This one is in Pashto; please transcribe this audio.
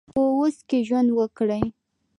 په اوس کې ژوند وکړئ